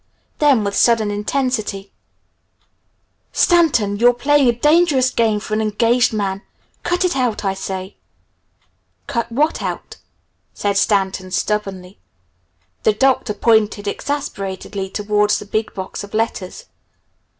Then with sudden intensity, "Stanton, you're playing a dangerous game for an engaged man. Cut it out, I say!" "Cut what out?" said Stanton stubbornly. The Doctor pointed exasperatedly towards the big box of letters.